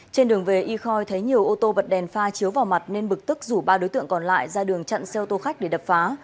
trên đường về y khoi thấy nhiều ô tô bật đèn pha chiếu vào mặt nên bực tức rủ ba đối tượng còn lại ra đường chặn xe ô tô khách để đập phá